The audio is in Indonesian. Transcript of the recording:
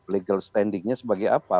legal standing nya sebagai apa